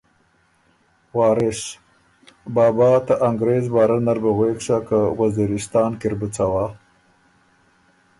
وارث: بابا ته انګرېز بارۀ نر بُو غوېک سَۀ که وزیرستان کی ر بُو څوا